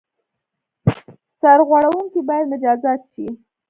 سرغړوونکي باید مجازات شي.